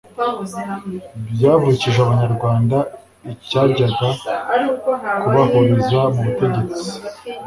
byavukije abanyarwanda icyajyaga kubahuriza mu butegetsi